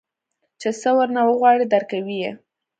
چې سه ورنه وغواړې درکوي يې.